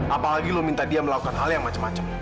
apalagi lo minta dia melakukan hal yang macem macem